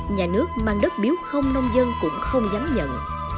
nhà nước mang đất biếu không nông dân cũng không dám nhận